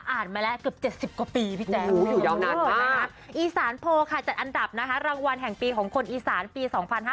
อ่านมาแล้วเกือบ๗๐กว่าปีพี่แจมอีสานโพลค่ะจัดอันดับรางวัลแห่งปีของคนอีสานปี๒๕๖๔